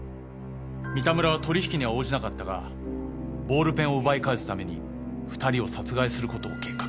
三田村は取引には応じなかったがボールペンを奪い返すために２人を殺害することを計画。